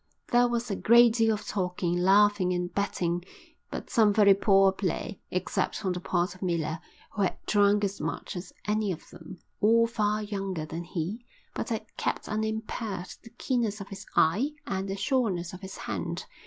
There was a great deal of talking, laughing, and betting, but some very poor play, except on the part of Miller, who had drunk as much as any of them, all far younger than he, but had kept unimpaired the keenness of his eye and the sureness of his hand.